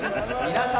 皆さん。